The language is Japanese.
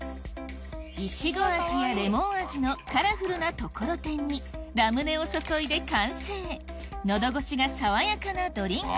イチゴ味やレモン味のカラフルなところてんにラムネを注いで完成喉越しが爽やかなドリンクです